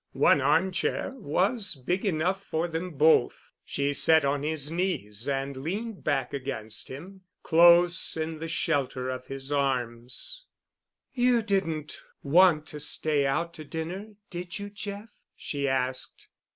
One armchair was big enough for them both. She sat on his knees and leaned back against him, close in the shelter of his arms. "You didn't want to stay out to dinner, did you, Jeff?" she asked.